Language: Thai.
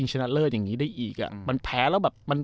โอ้โห